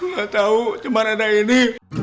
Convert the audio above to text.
gak tau cuma ada ini